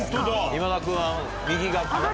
今田君は右が。